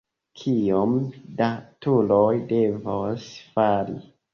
Kiom da turoj devos fali?